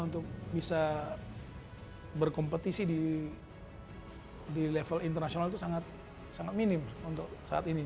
untuk bisa berkompetisi di level internasional itu sangat minim untuk saat ini